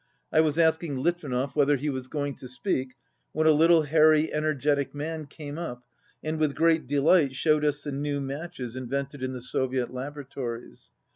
I was asking Litvinov whether he was going to speak, when a little hairy energetic man came up and 52 with great delight showed us the new matches in vented in the Soviet laboratories.